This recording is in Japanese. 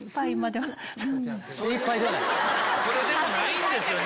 それでもないんですよ